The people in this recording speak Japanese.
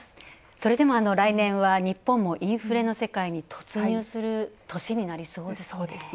それでも来年は日本もインフレの世界に突入する年になりそうですね。